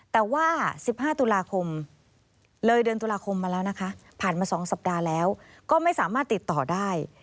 แต่ว่า๑๕ตุลาคมเลยเดือนตุลาคมมาแล้วนะคะผ่านมา๒สัปดาห์แล้วก็ไม่สามารถติดต่อได้